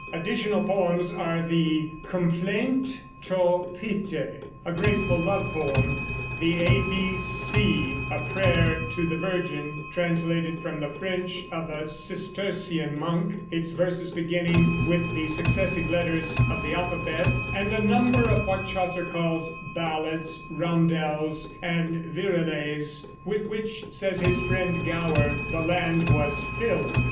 Additional poems are the "Compleynte to Pite," a graceful love poem; the "A B C," a prayer to the Virgin, translated from the French of a Cistercian monk, its verses beginning with the successive letters of the alphabet; and a number of what Chaucer calls "ballads, roundels, and virelays," with which, says his friend Gower, "the land was filled."